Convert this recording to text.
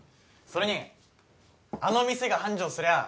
それにあの店が繁盛すりゃあ